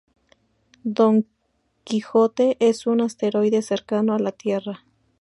Don Quixote es un asteroide cercano a la Tierra.